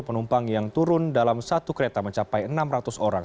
penumpang yang turun dalam satu kereta mencapai enam ratus orang